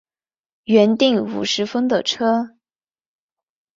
原订五十分的车